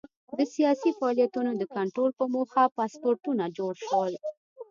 د سیاسي فعالیتونو د کنټرول په موخه پاسپورټونه جوړ شول.